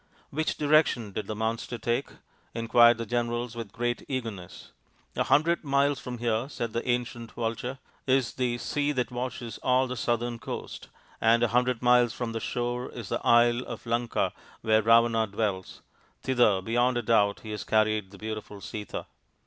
" Which direction did the monster take ?" inquired the generals with great eagerness. " A hundred miles from here," said the ancient vulture, "is the sea that washes. all the southern coast, and a hundred miles from the shore is the Isle of Lanka, where Ravana dwells ; thither, beyond a doubt, he has carried the beautiful Sita."